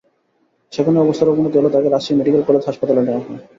সেখানে অবস্থার অবনতি হলে তাকে রাজশাহী মেডিকেল কলেজ হাসপাতালে নেওয়া হয়।